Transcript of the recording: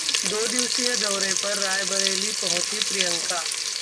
दो दिवसीय दौरे पर रायबरेली पहुंची प्रियंका